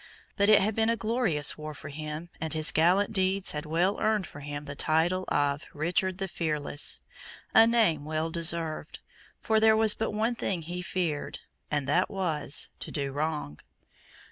But it had been a glorious war for him, and his gallant deeds had well earned for him the title of "Richard the Fearless" a name well deserved; for there was but one thing he feared, and that was, to do wrong.